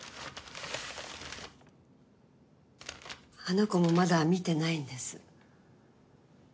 あの子もまだ見てないんです。